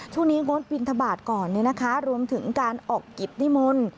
ช่วงนี้งดปินทบาทก่อนนะคะรวมถึงการออกกิจนิมนต์